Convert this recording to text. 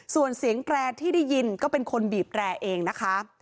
ส่วนเสียงแตรที่ได้ยินก็เป็นคนบีบแร่เองนะคะ